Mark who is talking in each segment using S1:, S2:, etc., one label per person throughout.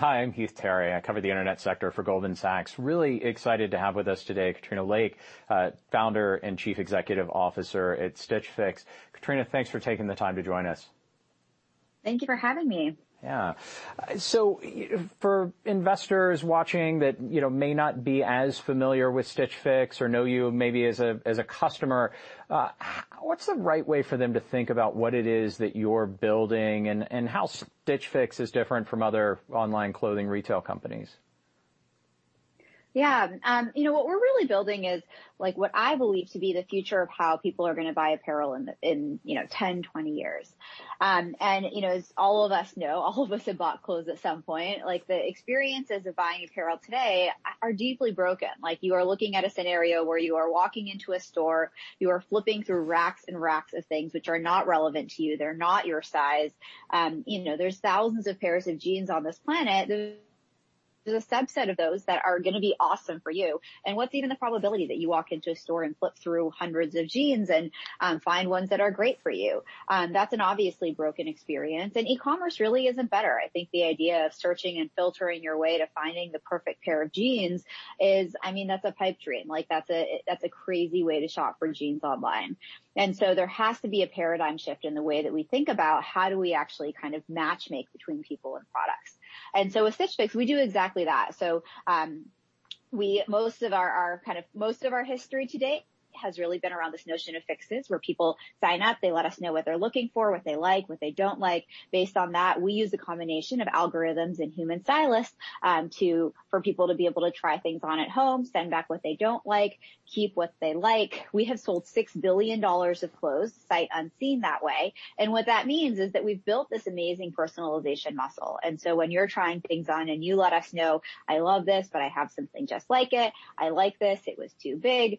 S1: Hi, I'm Heath Terry. I cover the internet sector for Goldman Sachs. Really excited to have with us today Katrina Lake, Founder and Chief Executive Officer at Stitch Fix. Katrina, thanks for taking the time to join us.
S2: Thank you for having me.
S1: Yeah. For investors watching that may not be as familiar with Stitch Fix or know you maybe as a customer, what's the right way for them to think about what it is that you're building, and how Stitch Fix is different from other online clothing retail companies?
S2: Yeah. What we're really building is what I believe to be the future of how people are going to buy apparel in 10, 20 years. As all of us know, all of us have bought clothes at some point, the experiences of buying apparel today are deeply broken. You are looking at a scenario where you are walking into a store, you are flipping through racks and racks of things which are not relevant to you. They're not your size. There's thousands of pairs of jeans on this planet. There's a subset of those that are going to be awesome for you, and what's even the probability that you walk into a store and flip through hundreds of jeans and find ones that are great for you? That's an obviously broken experience, and e-commerce really isn't better. I think the idea of searching and filtering your way to finding the perfect pair of jeans is, that's a pipe dream. That's a crazy way to shop for jeans online. There has to be a paradigm shift in the way that we think about how do we actually kind of match-make between people and products. At Stitch Fix, we do exactly that. Most of our history to date has really been around this notion of Fixes, where people sign up, they let us know what they're looking for, what they like, what they don't like. Based on that, we use a combination of algorithms and human stylists for people to be able to try things on at home, send back what they don't like, keep what they like. We have sold $6 billion of clothes sight unseen that way. What that means is that we've built this amazing personalization muscle. When you're trying things on, and you let us know, "I love this, but I have something just like it. I like this, it was too big."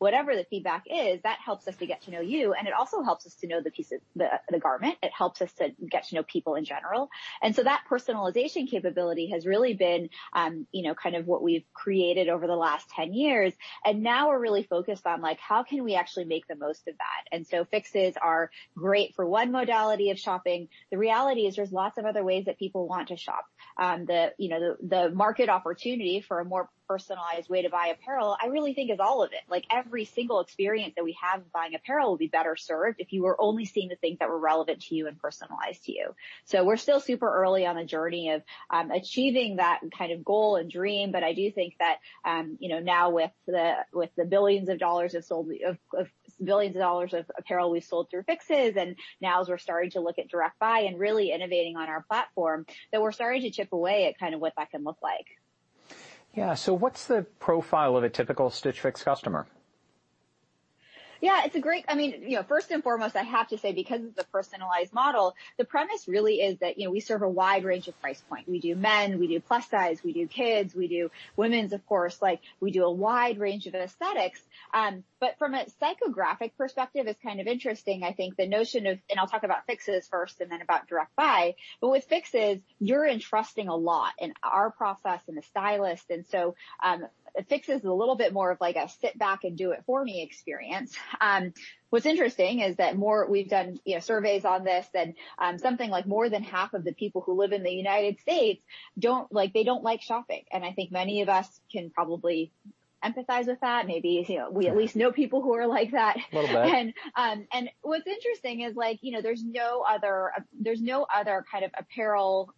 S2: Whatever the feedback is, that helps us to get to know you, and it also helps us to know the garment. It helps us to get to know people in general. That personalization capability has really been kind of what we've created over the last 10 years, and now we're really focused on how can we actually make the most of that. Fixes are great for one modality of shopping. The reality is there's lots of other ways that people want to shop. The market opportunity for a more personalized way to buy apparel, I really think is all of it. Every single experience that we have buying apparel would be better served if you were only seeing the things that were relevant to you and personalized to you. We're still super early on a journey of achieving that kind of goal and dream, but I do think that now with the billions of dollars of apparel we've sold through Fixes, and now as we're starting to look at Direct Buy and really innovating on our platform, that we're starting to chip away at kind of what that can look like.
S1: What's the profile of a typical Stitch Fix customer?
S2: Yeah. First and foremost, I have to say, because it's a personalized model, the premise really is that we serve a wide range of price point. We do men, we do plus size, we do kids, we do women's, of course. We do a wide range of aesthetics. From a psychographic perspective, it's kind of interesting, and I'll talk about Fixes first and then about Direct Buy, but with Fixes, you're entrusting a lot in our process and the stylist. Fixes is a little bit more of like a sit back and do it for me experience. What's interesting is that we've done surveys on this. Something like more than half of the people who live in the United States they don't like shopping. I think many of us can probably empathize with that. Maybe we at least know people who are like that.
S1: A little bit.
S2: What's interesting is there's no other kind of apparel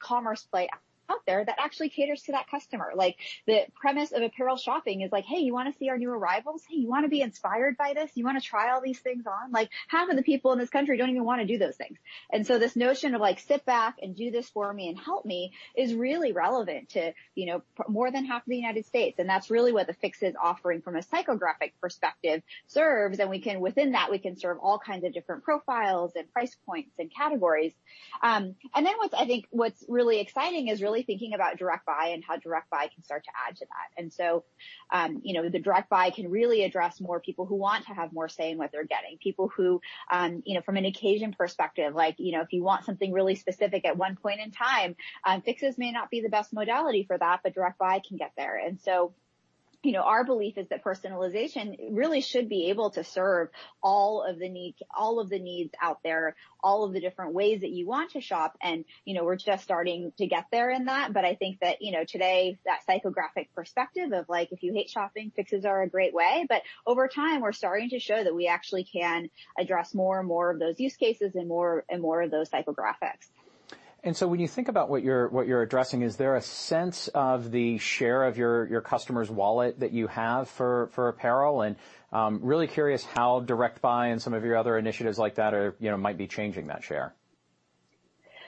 S2: commerce play out there that actually caters to that customer. The premise of apparel shopping is like, "Hey, you want to see our new arrivals? Hey, you want to be inspired by this? You want to try all these things on?" Half of the people in this country don't even want to do those things. This notion of sit back and do this for me and help me is really relevant to more than half of the United States, and that's really what the Fixes offering from a psychographic perspective serves. Within that, we can serve all kinds of different profiles and price points and categories. What I think what's really exciting is really thinking about Direct Buy and how Direct Buy can start to add to that. The Direct Buy can really address more people who want to have more say in what they're getting. People who, from an occasion perspective, if you want something really specific at one point in time, Fixes may not be the best modality for that, but Direct Buy can get there. Our belief is that personalization really should be able to serve all of the needs out there, all of the different ways that you want to shop, and we're just starting to get there in that. I think that today, that psychographic perspective of if you hate shopping, Fixes are a great way, but over time, we're starting to show that we actually can address more and more of those use cases and more and more of those psychographics.
S1: When you think about what you're addressing, is there a sense of the share of your customer's wallet that you have for apparel and really curious how Direct Buy and some of your other initiatives like that might be changing that share?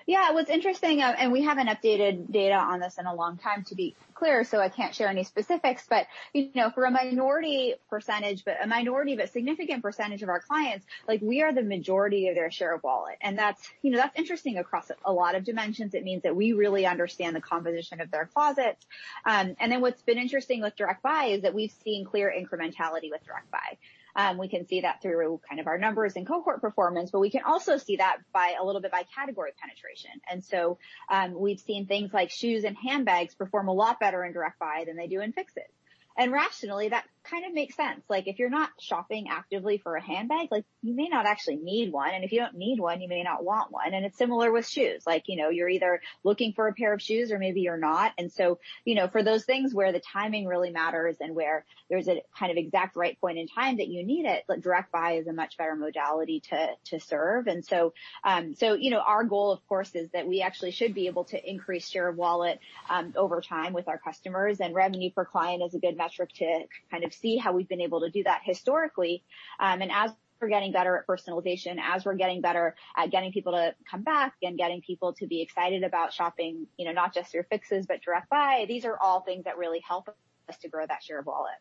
S2: Yeah. What's interesting, we haven't updated data on this in a long time, to be clear, so I can't share any specifics, but for a minority percentage, but a minority but significant percentage of our clients, we are the majority of their share of wallet. That's interesting across a lot of dimensions. It means that we really understand the composition of their closets. Then what's been interesting with Direct Buy is that we've seen clear incrementality with Direct Buy. We can see that through kind of our numbers and cohort performance, but we can also see that a little bit by category penetration. So, we've seen things like shoes and handbags perform a lot better in Direct Buy than they do in Fixes. Rationally, that kind of makes sense. If you're not shopping actively for a handbag, you may not actually need one, and if you don't need one, you may not want one. It's similar with shoes. You're either looking for a pair of shoes or maybe you're not. For those things where the timing really matters and where there's a kind of exact right point in time that you need it, Direct Buy is a much better modality to serve. Our goal, of course, is that we actually should be able to increase share of wallet over time with our customers, and revenue per client is a good metric to kind of see how we've been able to do that historically. As we're getting better at personalization, as we're getting better at getting people to come back and getting people to be excited about shopping, not just through Fixes but Direct Buy, these are all things that really help us to grow that share of wallet.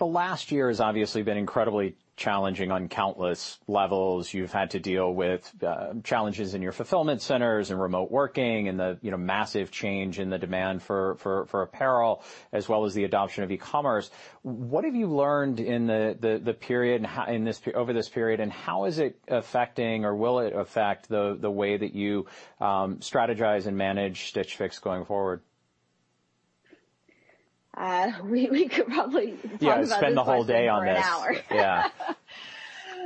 S1: The last year has obviously been incredibly challenging on countless levels. You've had to deal with challenges in your fulfillment centers and remote working and the massive change in the demand for apparel, as well as the adoption of e-commerce. What have you learned over this period, and how is it affecting, or will it affect, the way that you strategize and manage Stitch Fix going forward?
S2: We could probably talk about this question-
S1: Yeah, spend the whole day on this....
S2: for an hour.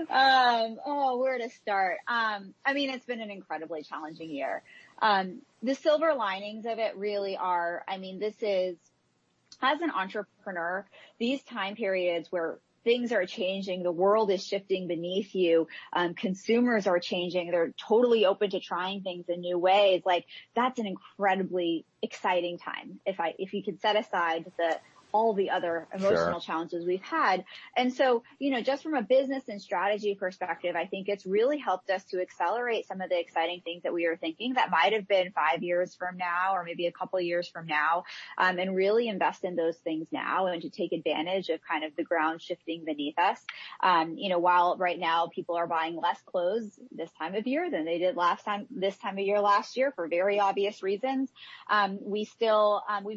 S1: Yeah.
S2: Where to start? It's been an incredibly challenging year. The silver linings of it really are as an entrepreneur, these time periods where things are changing, the world is shifting beneath you, consumers are changing, they're totally open to trying things in new ways, that's an incredibly exciting time if you could set aside.
S1: Sure.
S2: All the other emotional challenges we've had. Just from a business and strategy perspective, I think it's really helped us to accelerate some of the exciting things that we were thinking that might've been five years from now or maybe a couple of years from now, and really invest in those things now and to take advantage of kind of the ground shifting beneath us. While right now people are buying less clothes this time of year than they did this time of year last year, for very obvious reasons, we've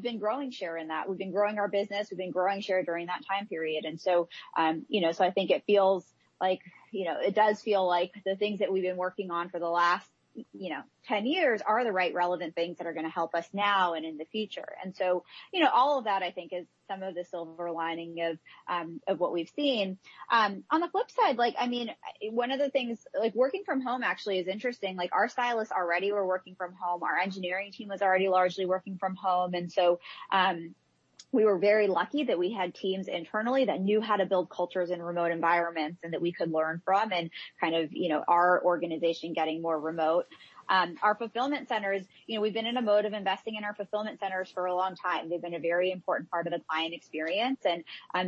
S2: been growing share in that. We've been growing our business. We've been growing share during that time period. I think it does feel like the things that we've been working on for the last 10 years are the right relevant things that are going to help us now and in the future. All of that I think is some of the silver lining of what we've seen. On the flip side, one of the things, working from home actually is interesting. Our stylists already were working from home. Our engineering team was already largely working from home. We were very lucky that we had teams internally that knew how to build cultures in remote environments and that we could learn from and kind of our organization getting more remote. Our fulfillment centers, we've been in a mode of investing in our fulfillment centers for a long time. They've been a very important part of the client experience.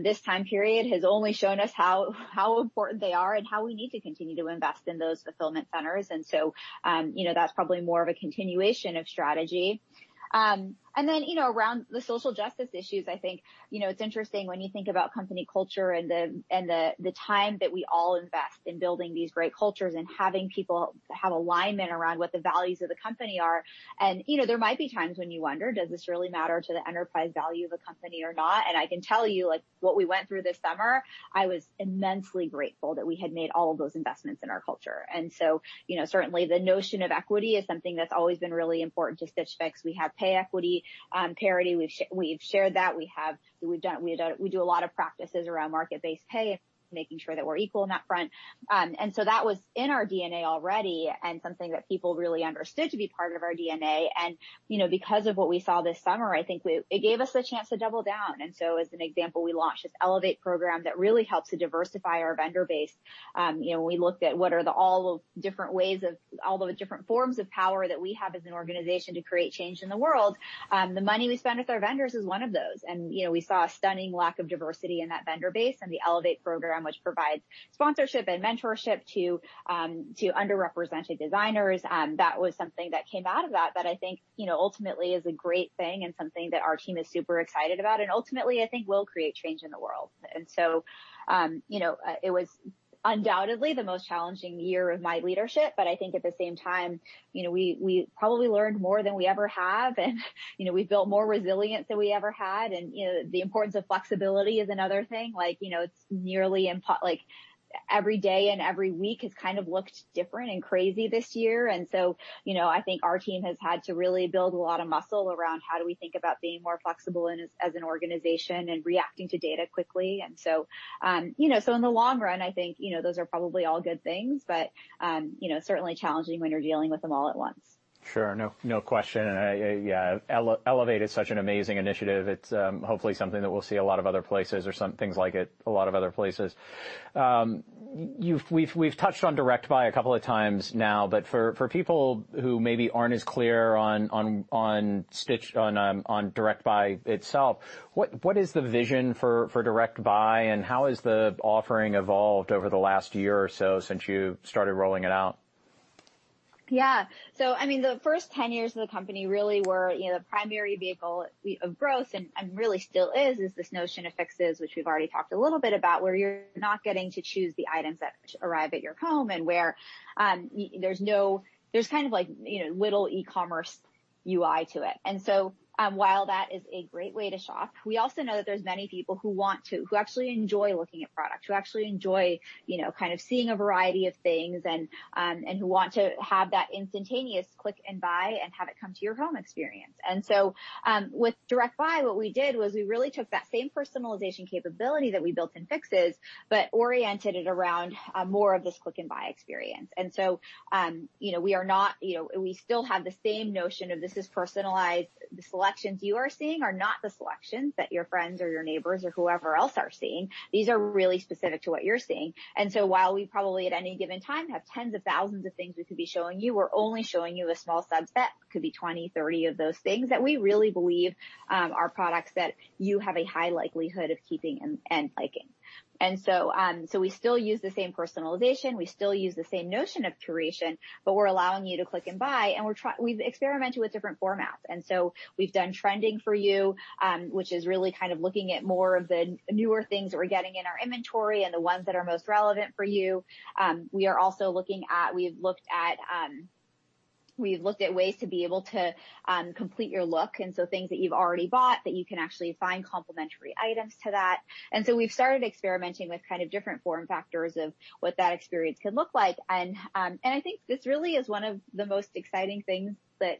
S2: This time period has only shown us how important they are and how we need to continue to invest in those fulfillment centers. That's probably more of a continuation of strategy. Then around the social justice issues, I think it's interesting when you think about company culture and the time that we all invest in building these great cultures and having people have alignment around what the values of the company are. There might be times when you wonder, does this really matter to the enterprise value of a company or not? I can tell you, what we went through this summer, I was immensely grateful that we had made all of those investments in our culture. Certainly the notion of equity is something that's always been really important to Stitch Fix. We have pay equity parity. We've shared that. We do a lot of practices around market-based pay, making sure that we're equal on that front. That was in our DNA already and something that people really understood to be part of our DNA. Because of what we saw this summer, I think it gave us the chance to double down. As an example, we launched this Elevate program that really helps to diversify our vendor base. We looked at what are all the different forms of power that we have as an organization to create change in the world. The money we spend with our vendors is one of those, and we saw a stunning lack of diversity in that vendor base and the Elevate program, which provides sponsorship and mentorship to underrepresented designers. That was something that came out of that I think ultimately is a great thing and something that our team is super excited about and ultimately, I think will create change in the world. It was undoubtedly the most challenging year of my leadership, but I think at the same time we probably learned more than we ever have, and we've built more resilience than we ever had, and the importance of flexibility is another thing. Every day and every week has kind of looked different and crazy this year, and so I think our team has had to really build a lot of muscle around how do we think about being more flexible as an organization and reacting to data quickly. In the long run, I think those are probably all good things, but certainly challenging when you're dealing with them all at once.
S1: Sure. No question. Elevate is such an amazing initiative. It's hopefully something that we'll see a lot of other places or some things like it a lot of other places. We've touched on Direct Buy a couple of times now, but for people who maybe aren't as clear on Direct Buy itself, what is the vision for Direct Buy, and how has the offering evolved over the last year or so since you started rolling it out?
S2: Yeah. The first 10 years of the company really were, the primary vehicle of growth, and really still is this notion of Fixes, which we've already talked a little bit about, where you're not getting to choose the items that arrive at your home, and where there's kind of like little e-commerce UI to it. While that is a great way to shop, we also know that there's many people who actually enjoy looking at product, who actually enjoy seeing a variety of things, and who want to have that instantaneous click and buy and have it come to your home experience. With Direct Buy, what we did was we really took that same personalization capability that we built in Fixes, but oriented it around more of this click and buy experience. We still have the same notion of this is personalized. The selections you are seeing are not the selections that your friends or your neighbors or whoever else are seeing. These are really specific to what you're seeing. While we probably, at any given time, have tens of thousands of things we could be showing you, we're only showing you a small subset, could be 20, 30 of those things, that we really believe are products that you have a high likelihood of keeping and liking. We still use the same personalization, we still use the same notion of curation, but we're allowing you to click and buy, and we've experimented with different formats. We've done trending for you, which is really kind of looking at more of the newer things that we're getting in our inventory and the ones that are most relevant for you. We've looked at ways to be able to complete your look, and so things that you've already bought that you can actually find complementary items to that. We've started experimenting with kind of different form factors of what that experience could look like. I think this really is one of the most exciting things that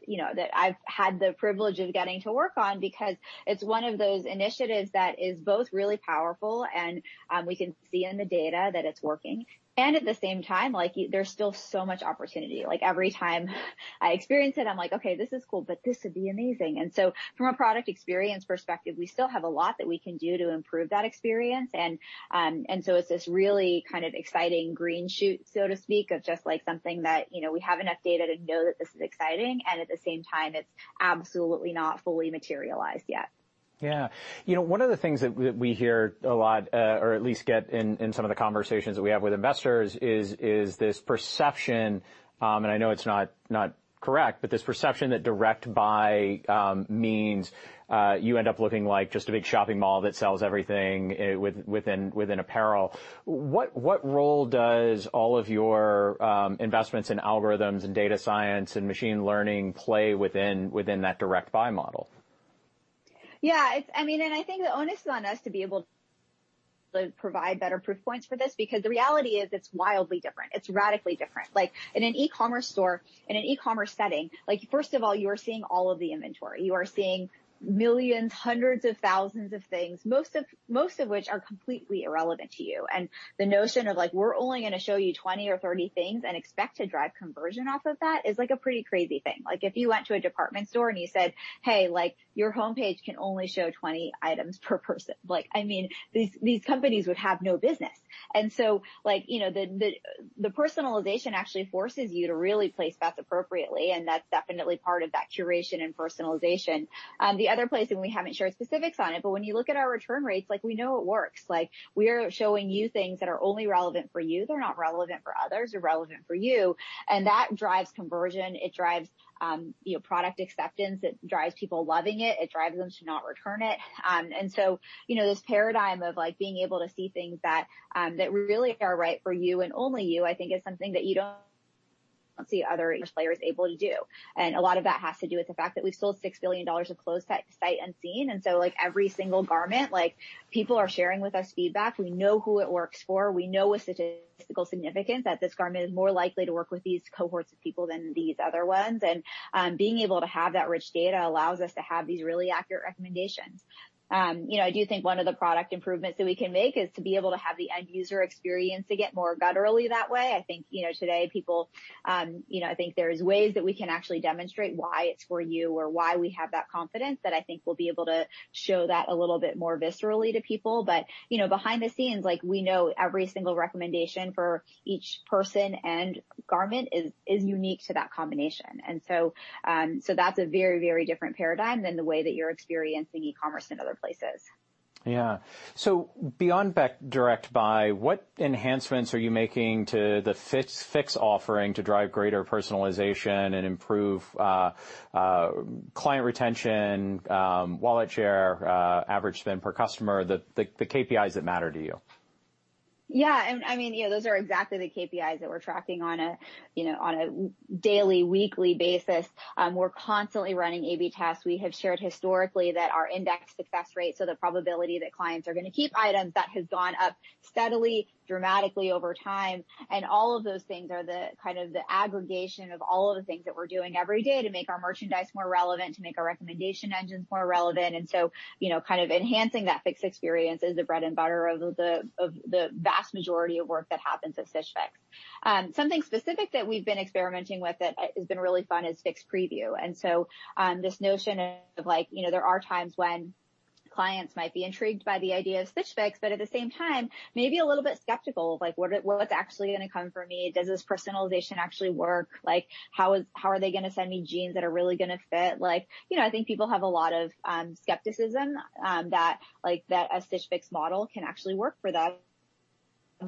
S2: I've had the privilege of getting to work on because it's one of those initiatives that is both really powerful, and we can see in the data that it's working. At the same time, there's still so much opportunity. Like every time I experience it, I'm like, "Okay, this is cool, but this would be amazing." From a product experience perspective, we still have a lot that we can do to improve that experience, and so it's this really kind of exciting green shoot, so to speak, of just something that we have enough data to know that this is exciting, and at the same time, it's absolutely not fully materialized yet.
S1: Yeah. One of the things that we hear a lot, or at least get in some of the conversations that we have with investors is this perception, and I know it's not correct, but this perception that Direct Buy means you end up looking like just a big shopping mall that sells everything within apparel. What role does all of your investments in algorithms and data science and machine learning play within that Direct Buy model?
S2: Yeah. I think the onus is on us to be able to provide better proof points for this because the reality is it's wildly different. It's radically different. Like in an e-commerce store, in an e-commerce setting, first of all, you are seeing all of the inventory. You are seeing millions, hundreds of thousands of things, most of which are completely irrelevant to you. The notion of like we're only going to show you 20 or 30 things and expect to drive conversion off of that is a pretty crazy thing. If you went to a department store and you said, "Hey, your homepage can only show 20 items per person." These companies would have no business. The personalization actually forces you to really place bets appropriately, and that's definitely part of that curation and personalization. The other place, we haven't shared specifics on it, but when you look at our return rates, we know it works. We are showing you things that are only relevant for you. They're not relevant for others. They're relevant for you, that drives conversion. It drives product acceptance. It drives people loving it. It drives them to not return it. This paradigm of being able to see things that really are right for you and only you, I think is something that you don't see other e-commerce players able to do. A lot of that has to do with the fact that we've sold $6 billion of clothes sight unseen, so every single garment, people are sharing with us feedback. We know who it works for. We know with statistical significance that this garment is more likely to work with these cohorts of people than these other ones. Being able to have that rich data allows us to have these really accurate recommendations. I do think one of the product improvements that we can make is to be able to have the end user experience to get more gutturally that way. I think today there's ways that we can actually demonstrate why it's for you or why we have that confidence that I think we'll be able to show that a little bit more viscerally to people. Behind the scenes, we know every single recommendation for each person and garment is unique to that combination. That's a very, very different paradigm than the way that you're experiencing e-commerce in other places.
S1: Beyond Direct Buy, what enhancements are you making to the Stitch Fix offering to drive greater personalization and improve client retention, wallet share, average spend per customer, the KPIs that matter to you?
S2: Yeah. Those are exactly the KPIs that we're tracking on a daily, weekly basis. We're constantly running A/B tests. We have shared historically that our index success rate, so the probability that clients are going to keep items, that has gone up steadily, dramatically over time, all of those things are the kind of the aggregation of all of the things that we're doing every day to make our merchandise more relevant, to make our recommendation engines more relevant. Kind of enhancing that Fix experience is the bread and butter of the vast majority of work that happens at Stitch Fix. Something specific that we've been experimenting with that has been really fun is Fix Preview. This notion of there are times when clients might be intrigued by the idea of Stitch Fix, but at the same time, maybe a little bit skeptical of what's actually going to come for me? Does this personalization actually work? How are they going to send me jeans that are really going to fit? I think people have a lot of skepticism that a Stitch Fix model can actually work for them.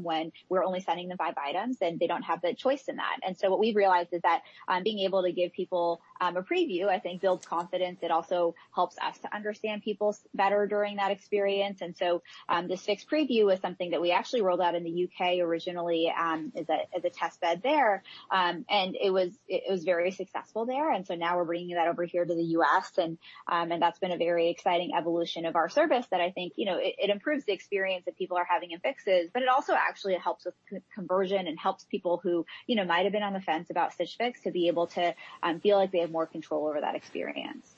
S2: When we're only sending them five items, then they don't have the choice in that. What we've realized is that being able to give people a preview, I think builds confidence. It also helps us to understand people better during that experience. This Fix Preview is something that we actually rolled out in the U.K. originally as a test bed there. It was very successful there. Now we're bringing that over here to the U.S., and that's been a very exciting evolution of our service that I think it improves the experience that people are having in Fixes, but it also actually helps with conversion and helps people who might have been on the fence about Stitch Fix to be able to feel like they have more control over that experience.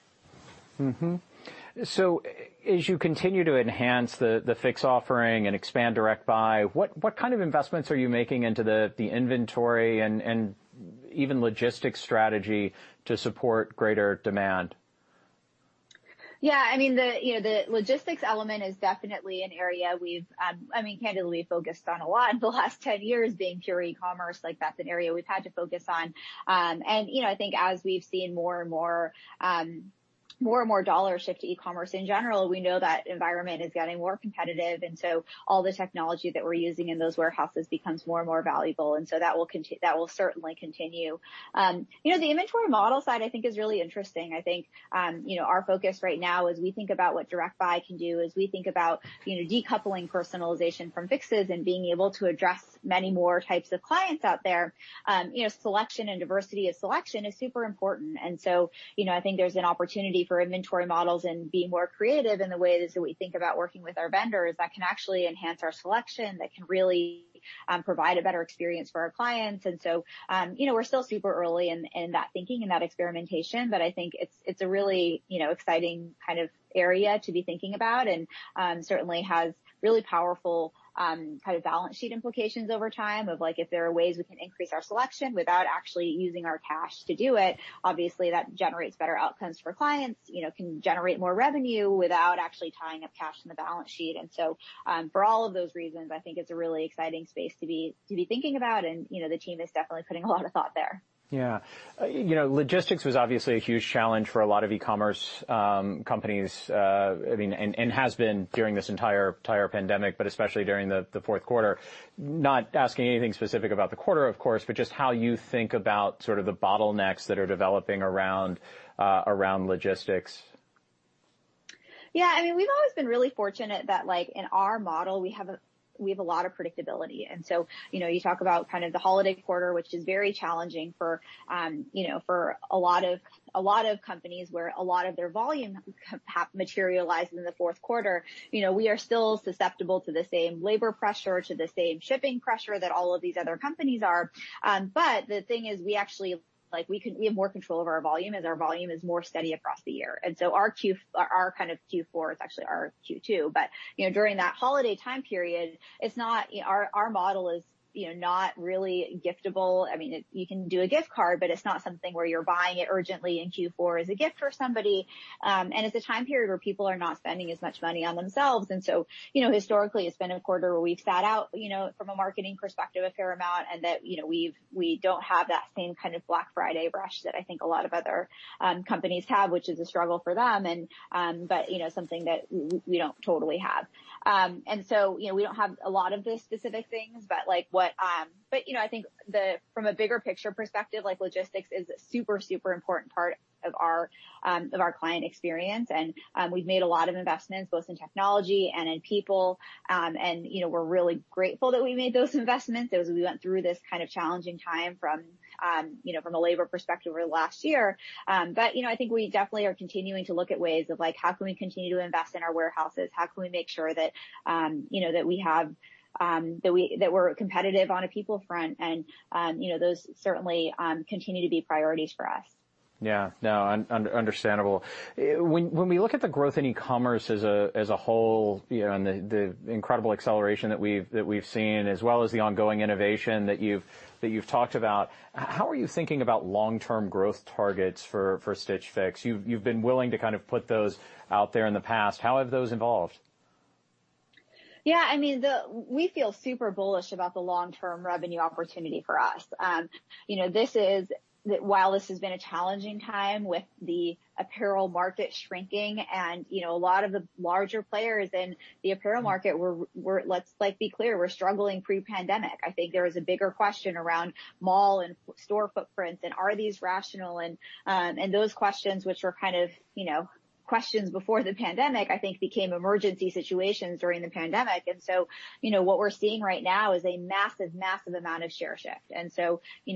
S1: As you continue to enhance the Fix offering and expand Direct Buy, what kind of investments are you making into the inventory and even logistics strategy to support greater demand?
S2: Yeah. The logistics element is definitely an area we've candidly focused on a lot in the last 10 years, being pure e-commerce, like, that's an area we've had to focus on. I think as we've seen more and more dollars shift to e-commerce in general, we know that environment is getting more competitive, so all the technology that we're using in those warehouses becomes more and more valuable. That will certainly continue. The inventory model side, I think is really interesting. I think our focus right now as we think about what Direct Buy can do, as we think about decoupling personalization from Fixes and being able to address many more types of clients out there. Selection and diversity of selection is super important. I think there's an opportunity for inventory models and being more creative in the ways that we think about working with our vendors that can actually enhance our selection, that can really provide a better experience for our clients. We're still super early in that thinking and that experimentation, but I think it's a really exciting kind of area to be thinking about, and certainly has really powerful kind of balance sheet implications over time of like if there are ways we can increase our selection without actually using our cash to do it, obviously that generates better outcomes for clients, can generate more revenue without actually tying up cash in the balance sheet. For all of those reasons, I think it's a really exciting space to be thinking about, and the team is definitely putting a lot of thought there.
S1: Yeah. Logistics was obviously a huge challenge for a lot of e-commerce companies, and has been during this entire pandemic, but especially during the fourth quarter. Not asking anything specific about the quarter, of course, but just how you think about sort of the bottlenecks that are developing around logistics?
S2: Yeah. We've always been really fortunate that in our model, we have a lot of predictability. You talk about kind of the holiday quarter, which is very challenging for a lot of companies where a lot of their volume materialized in the fourth quarter. We are still susceptible to the same labor pressure, to the same shipping pressure that all of these other companies are. The thing is, we have more control over our volume, as our volume is more steady across the year. Our kind of Q4 is actually our Q2. During that holiday time period, our model is not really giftable. You can do a gift card, but it's not something where you're buying it urgently in Q4 as a gift for somebody. It's a time period where people are not spending as much money on themselves. Historically, it's been a quarter where we've sat out, from a marketing perspective, a fair amount, and that we don't have that same kind of Black Friday rush that I think a lot of other companies have, which is a struggle for them, but something that we don't totally have. We don't have a lot of the specific things, but I think from a bigger picture perspective, like logistics is a super important part of our client experience. We've made a lot of investments both in technology and in people. We're really grateful that we made those investments as we went through this kind of challenging time from a labor perspective over the last year. I think we definitely are continuing to look at ways of like how can we continue to invest in our warehouses? How can we make sure that we're competitive on a people front? Those certainly continue to be priorities for us.
S1: Yeah. No, understandable. When we look at the growth in e-commerce as a whole, and the incredible acceleration that we've seen, as well as the ongoing innovation that you've talked about, how are you thinking about long-term growth targets for Stitch Fix? You've been willing to kind of put those out there in the past. How have those evolved?
S2: Yeah. We feel super bullish about the long-term revenue opportunity for us. While this has been a challenging time with the apparel market shrinking, and a lot of the larger players in the apparel market were, let's be clear, were struggling pre-pandemic. I think there is a bigger question around mall and store footprints, and are these rational? Those questions which were kind of questions before the pandemic, I think became emergency situations during the pandemic. What we're seeing right now is a massive amount of share shift.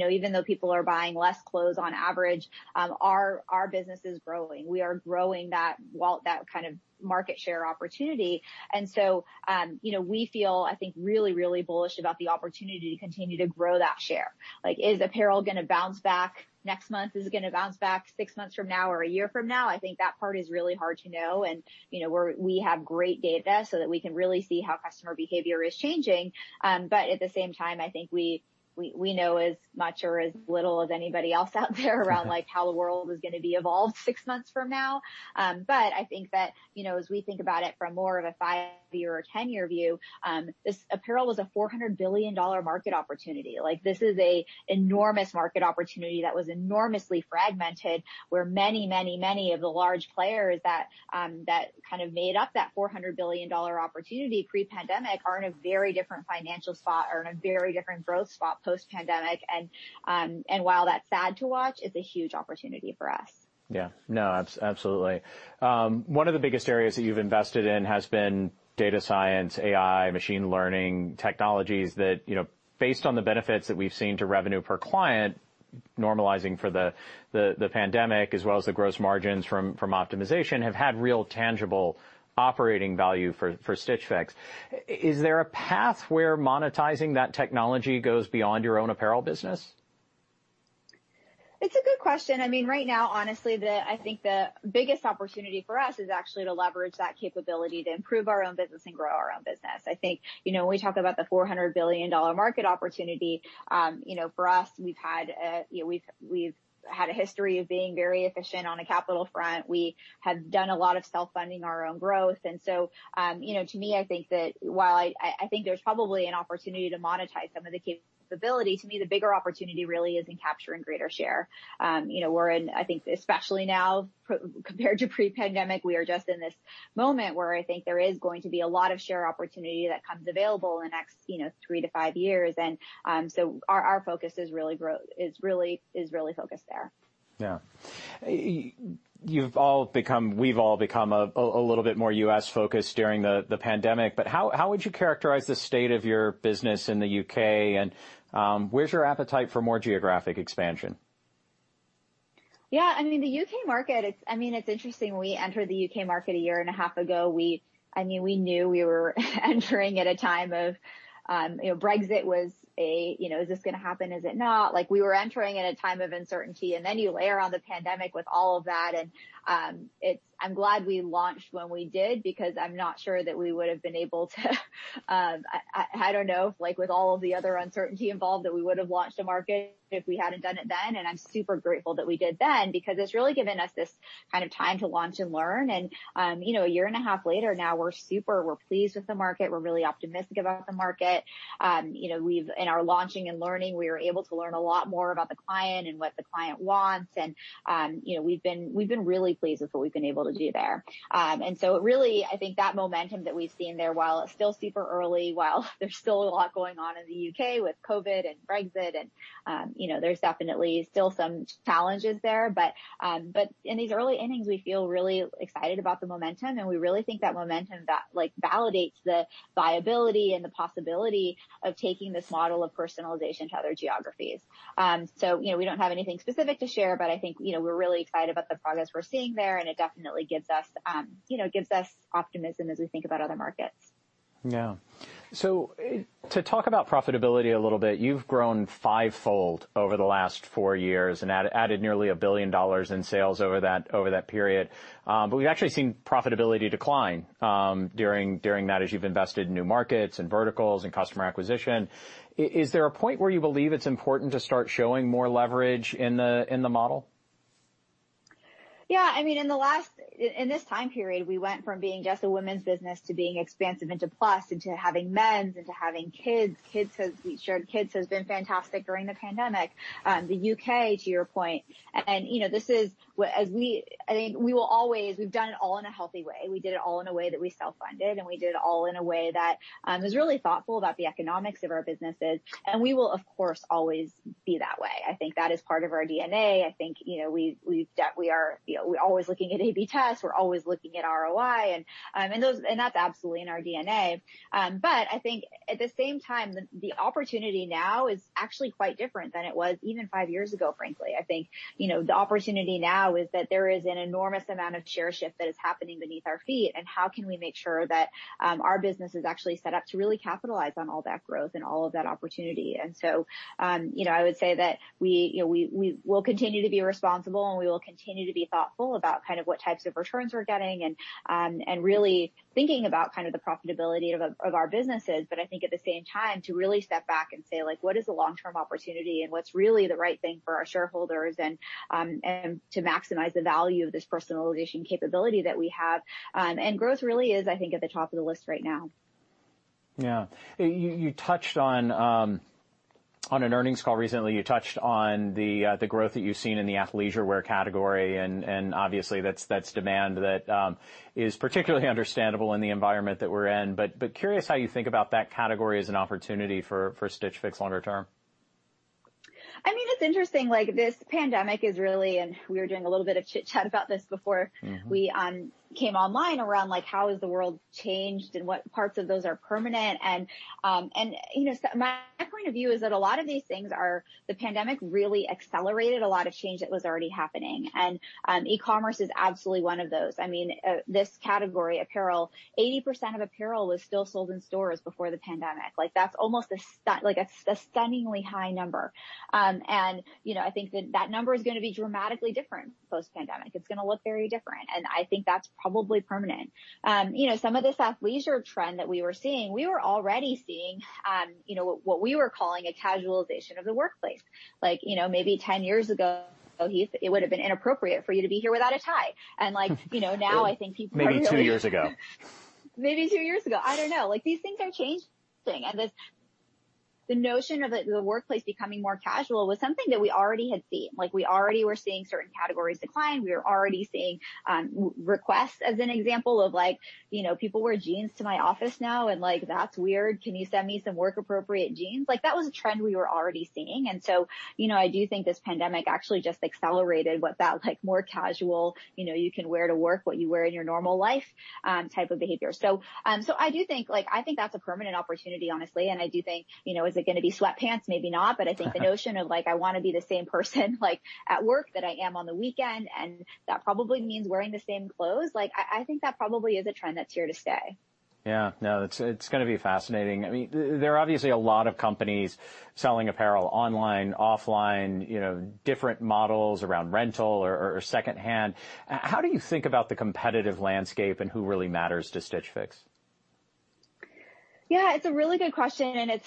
S2: Even though people are buying less clothes on average, our business is growing. We are growing that kind of market share opportunity. We feel, I think, really bullish about the opportunity to continue to grow that share. Like, is apparel going to bounce back next month? Is it going to bounce back six months from now or a year from now? I think that part is really hard to know. We have great data so that we can really see how customer behavior is changing. At the same time, I think we know as much or as little as anybody else out there around like how the world is going to be evolved six months from now. I think that as we think about it from more of a five-year or 10-year view, apparel was a $400 billion market opportunity. This is a enormous market opportunity that was enormously fragmented, where many of the large players that kind of made up that $400 billion opportunity pre-pandemic are in a very different financial spot, are in a very different growth spot post-pandemic. While that's sad to watch, it's a huge opportunity for us.
S1: Yeah. No, absolutely. One of the biggest areas that you've invested in has been data science, AI, machine learning technologies that based on the benefits that we've seen to revenue per client normalizing for the pandemic as well as the gross margins from optimization have had real tangible operating value for Stitch Fix. Is there a path where monetizing that technology goes beyond your own apparel business?
S2: It's a good question. Right now, honestly, I think the biggest opportunity for us is actually to leverage that capability to improve our own business and grow our own business. I think, when we talk about the $400 billion market opportunity, for us, we've had a history of being very efficient on a capital front. We have done a lot of self-funding our own growth. To me, I think that while there's probably an opportunity to monetize some of the capability, to me the bigger opportunity really is in capturing greater share. We're in, I think especially now compared to pre-pandemic, we are just in this moment where I think there is going to be a lot of share opportunity that comes available in the next three to five years, and so our focus is really focused there.
S1: Yeah. We've all become a little bit more U.S.-focused during the pandemic, but how would you characterize the state of your business in the U.K., and where's your appetite for more geographic expansion?
S2: The U.K. market, it's interesting. When we entered the U.K. market a year and a half ago, we knew we were entering at a time of, Brexit was a, is this going to happen? Is it not? We were entering at a time of uncertainty. Then you layer on the pandemic with all of that. I'm glad we launched when we did because I am not sure that we would have been able to. I don't know if with all of the other uncertainty involved, that we would've launched a market if we hadn't done it then. I'm super grateful that we did then because it's really given us this kind of time to launch and learn. A year and a half later now we're super pleased with the market. We're really optimistic about the market. In our launching and learning, we were able to learn a lot more about the client and what the client wants, and we've been really pleased with what we've been able to do there. Really, I think that momentum that we've seen there, while it's still super early, while there's still a lot going on in the U.K. with COVID-19 and Brexit, and there's definitely still some challenges there. In these early innings, we feel really excited about the momentum, and we really think that momentum validates the viability and the possibility of taking this model of personalization to other geographies. We don't have anything specific to share, but I think we're really excited about the progress we're seeing there, and it definitely gives us optimism as we think about other markets.
S1: Yeah. To talk about profitability a little bit, you've grown fivefold over the last four years and added nearly $1 billion in sales over that period. We've actually seen profitability decline during that as you've invested in new markets, and verticals, and customer acquisition. Is there a point where you believe it's important to start showing more leverage in the model?
S2: In this time period, we went from being just a women's business to being expansive into plus, into having men's, into having kids. Kids has been fantastic during the pandemic. The U.K., to your point. We've done it all in a healthy way. We did it all in a way that we self-funded, and we did it all in a way that was really thoughtful about the economics of our businesses, and we will, of course, always be that way. I think that is part of our DNA. I think we are always looking at A/B tests. We're always looking at ROI, and that's absolutely in our DNA. I think at the same time, the opportunity now is actually quite different than it was even five years ago, frankly. I think the opportunity now is that there is an enormous amount of share shift that is happening beneath our feet, and how can we make sure that our business is actually set up to really capitalize on all that growth and all of that opportunity. I would say that we will continue to be responsible, and we will continue to be thoughtful about what types of returns we're getting, and really thinking about the profitability of our businesses. I think at the same time, to really step back and say, "What is the long-term opportunity, and what's really the right thing for our shareholders?" To maximize the value of this personalization capability that we have. Growth really is, I think, at the top of the list right now.
S1: Yeah. On an earnings call recently, you touched on the growth that you've seen in the athleisure wear category, and obviously that's demand that is particularly understandable in the environment that we're in. Curious how you think about that category as an opportunity for Stitch Fix longer term?
S2: It's interesting, this pandemic is really, and we were doing a little bit of chitchat about this before. We came online around how has the world changed, and what parts of those are permanent. My point of view is that a lot of these things are the pandemic really accelerated a lot of change that was already happening, and e-commerce is absolutely one of those. This category, apparel, 80% of apparel was still sold in stores before the pandemic. That's almost a stunningly high number. I think that that number is going to be dramatically different post-pandemic. It's going to look very different, and I think that's probably permanent. Some of this athleisure trend that we were seeing, we were already seeing what we were calling a casualization of the workplace. Maybe 10 years ago, Heath, it would've been inappropriate for you to be here without a tie.
S1: Maybe two years ago.
S2: Maybe two years ago. I don't know. Like, these things are changing, and the notion of the workplace becoming more casual was something that we already had seen. Like, we already were seeing certain categories decline. We were already seeing requests as an example of like people wear jeans to my office now and like, "That's weird. Can you send me some work appropriate jeans?" Like, that was a trend we were already seeing. I do think this pandemic actually just accelerated what that more casual you can wear to work what you wear in your normal life type of behavior. I do think that's a permanent opportunity, honestly, and I do think is it going to be sweatpants? Maybe not, but I think the notion of like I want to be the same person at work that I am on the weekend, and that probably means wearing the same clothes. I think that probably is a trend that's here to stay.
S1: Yeah. No, it's going to be fascinating. There are obviously a lot of companies selling apparel online, offline, different models around rental or second-hand. How do you think about the competitive landscape and who really matters to Stitch Fix?
S2: Yeah. It's a really good question, and it's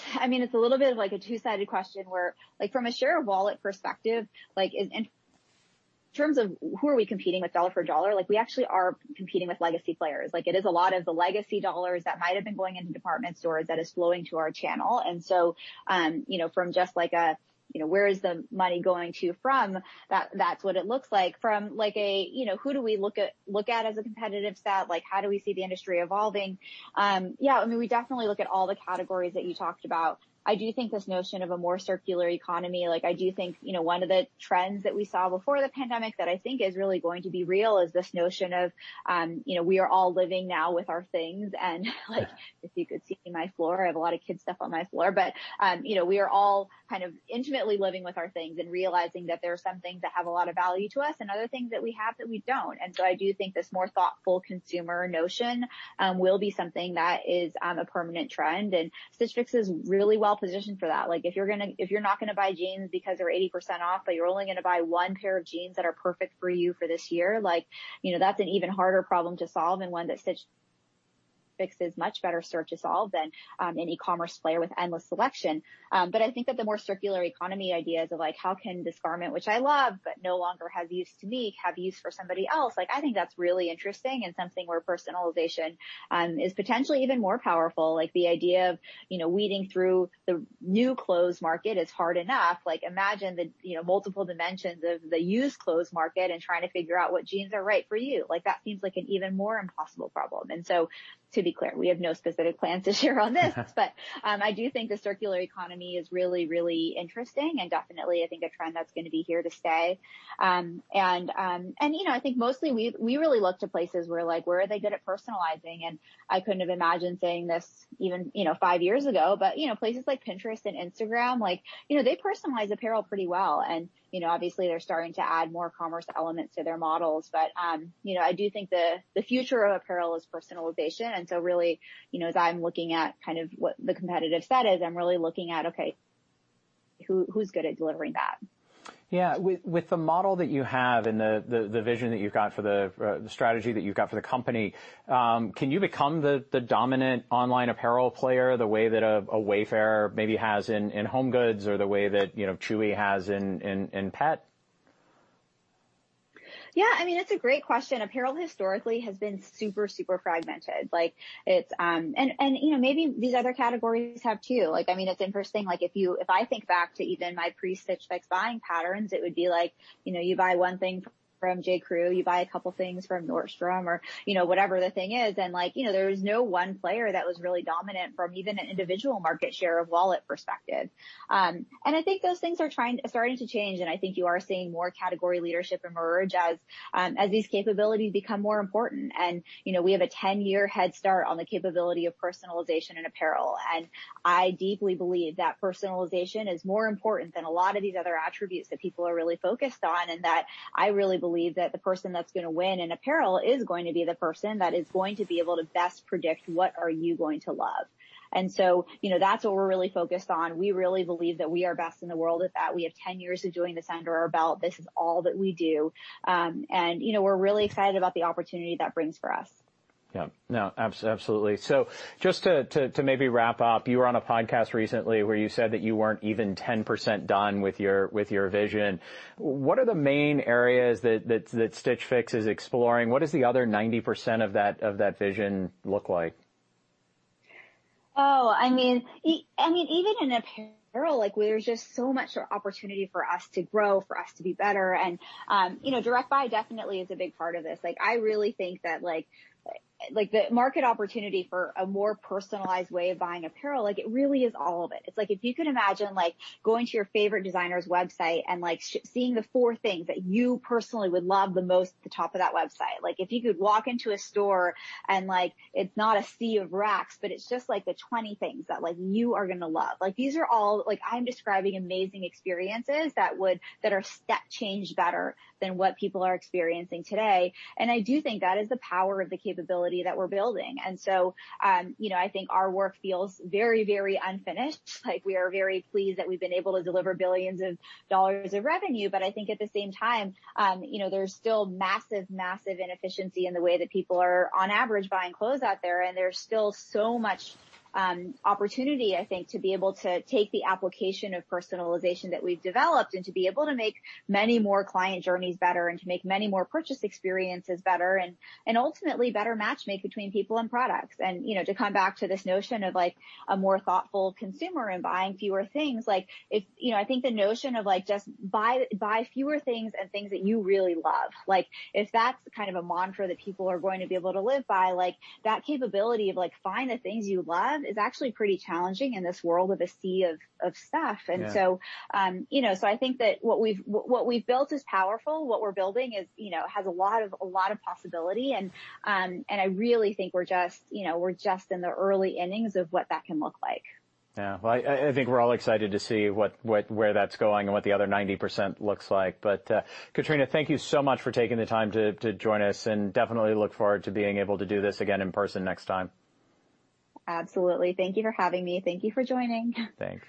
S2: a little bit of a two-sided question where from a share of wallet perspective, in terms of who are we competing with dollar for dollar, we actually are competing with legacy players. It is a lot of the legacy dollars that might have been going into department stores that is flowing to our channel. From just like a, where is the money going to from, that's what it looks like. From who do we look at as a competitive set? How do we see the industry evolving? Yeah, we definitely look at all the categories that you talked about. I do think this notion of a more circular economy, I do think one of the trends that we saw before the pandemic that I think is really going to be real is this notion of we are all living now with our things and like.
S1: Yeah.
S2: If you could see my floor, I have a lot of kid stuff on my floor. We are all kind of intimately living with our things and realizing that there are some things that have a lot of value to us and other things that we have that we don't. I do think this more thoughtful consumer notion will be something that is a permanent trend, and Stitch Fix is really well-positioned for that. If you're not going to buy jeans because they're 80% off, but you're only going to buy one pair of jeans that are perfect for you for this year, that's an even harder problem to solve and one that Stitch Fix is much better suited to solve than an e-commerce player with endless selection. I think that the more circular economy ideas of how can this garment, which I love but no longer have use to me, have use for somebody else? I think that's really interesting and something where personalization is potentially even more powerful. The idea of weeding through the new clothes market is hard enough. Imagine the multiple dimensions of the used clothes market and trying to figure out what jeans are right for you. That seems like an even more impossible problem. To be clear, we have no specific plans to share on this. I do think the circular economy is really, really interesting, and definitely, I think a trend that's going to be here to stay. I think mostly we really look to places where are they good at personalizing? I couldn't have imagined saying this even five years ago, but places like Pinterest and Instagram, they personalize apparel pretty well, and obviously they're starting to add more commerce elements to their models. I do think the future of apparel is personalization. Really, as I'm looking at kind of what the competitive set is, I'm really looking at, okay, who's good at delivering that?
S1: Yeah. With the model that you have and the vision that you've got for the strategy that you've got for the company, can you become the dominant online apparel player, the way that a Wayfair maybe has in home goods or the way that Chewy has in pet?
S2: Yeah. It's a great question. Apparel historically has been super fragmented. Maybe these other categories have too. It's interesting, if I think back to even my pre-Stitch Fix buying patterns, it would be like you buy one thing from J.Crew, you buy a couple things from Nordstrom, or whatever the thing is. There was no one player that was really dominant from even an individual market share of wallet perspective. I think those things are starting to change, I think you are seeing more category leadership emerge as these capabilities become more important. We have a 10-year head start on the capability of personalization in apparel. I deeply believe that personalization is more important than a lot of these other attributes that people are really focused on, and that I really believe that the person that's going to win in apparel is going to be the person that is going to be able to best predict what are you going to love. That's what we're really focused on. We really believe that we are best in the world at that. We have 10 years of doing this under our belt. This is all that we do. We're really excited about the opportunity that brings for us.
S1: Yeah. No, absolutely. Just to maybe wrap up, you were on a podcast recently where you said that you weren't even 10% done with your vision. What are the main areas that Stitch Fix is exploring? What does the other 90% of that vision look like?
S2: Oh, even in apparel, there's just so much opportunity for us to grow, for us to be better, and Direct Buy definitely is a big part of this. I really think that the market opportunity for a more personalized way of buying apparel, it really is all of it. It's like if you could imagine going to your favorite designer's website and seeing the four things that you personally would love the most at the top of that website. If you could walk into a store and it's not a sea of racks, but it's just the 20 things that you are going to love. I'm describing amazing experiences that are step change better than what people are experiencing today. I do think that is the power of the capability that we're building. I think our work feels very, very unfinished. We are very pleased that we've been able to deliver billions of dollars of revenue. I think at the same time, there's still massive inefficiency in the way that people are, on average, buying clothes out there, and there's still so much opportunity, I think, to be able to take the application of personalization that we've developed and to be able to make many more client journeys better and to make many more purchase experiences better and ultimately better match made between people and products. To come back to this notion of a more thoughtful consumer and buying fewer things, I think the notion of just buy fewer things and things that you really love. If that's kind of a mantra that people are going to be able to live by, that capability of find the things you love is actually pretty challenging in this world of a sea of stuff.
S1: Yeah.
S2: I think that what we've built is powerful. What we're building has a lot of possibility, and I really think we're just in the early innings of what that can look like.
S1: Yeah. Well, I think we're all excited to see where that's going and what the other 90% looks like. Katrina, thank you so much for taking the time to join us, and definitely look forward to being able to do this again in person next time.
S2: Absolutely. Thank you for having me. Thank you for joining.
S1: Thanks.